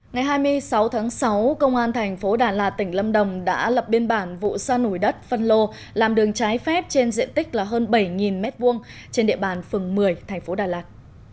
ngày hai mươi sáu tháng sáu công an thành phố đà lạt tỉnh lâm đồng đã lập biên bản vụ sa nổi đất phân lô làm đường trái phép trên diện tích là hơn bảy m hai trên địa bàn phường một mươi thành phố đà lạt